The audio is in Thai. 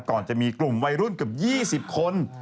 ก่อนจะมีกลุ่มวัยรุ่นเกือบ๒๐คน